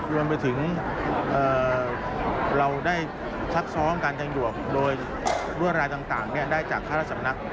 รวมไปถึงเราได้ซักซ้อมการทางด่วนโดยรั่วรายต่างได้จากข้าราชสำนัก